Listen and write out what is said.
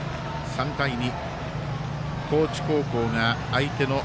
３対２。